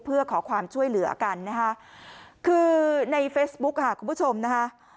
เพื่อขอความช่วยเหลือกันนะคะคือในเฟซบุ๊คค่ะคุณผู้ชมนะคะ